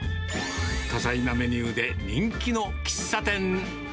多彩なメニューで人気の喫茶店。